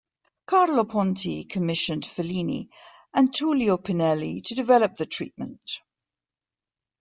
Carlo Ponti commissioned Fellini and Tullio Pinelli to develop the treatment.